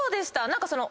何かその。